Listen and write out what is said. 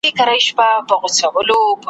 خوږېدی به یې له درده هر یو غړی `